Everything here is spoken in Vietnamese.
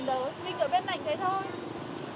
linh ở bên này thế thôi